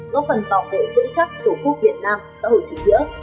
góp phần bảo vệ vững chắc tổ quốc việt nam xã hội chủ nghĩa